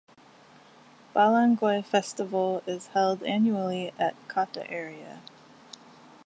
Balanghoy Festival is held annually at Cotta area.